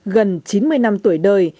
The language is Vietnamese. gần chín mươi năm tuổi đời